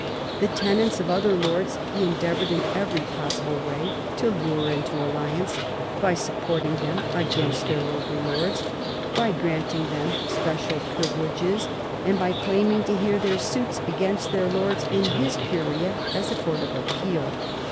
The tenants of other lords he endeavoured in every possible way to lure into alliance, by supporting them against their overlords, by granting them special privileges, and by claiming to hear their suits against their lords in his curia as a court of appeal.